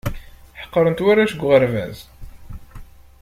Ḥeqren-t warrac deg uɣerbaz.